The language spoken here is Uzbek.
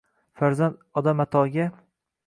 Farzand Odam Atoga!